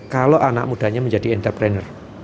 kalau anak mudanya menjadi entrepreneur